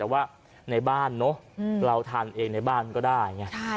แต่ว่าในบ้านเนอะเราทานเองในบ้านก็ได้ไง